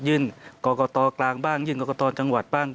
กรกตกลางบ้างยื่นกรกตจังหวัดบ้าง